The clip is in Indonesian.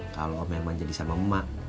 kalau om herman jadi sama emak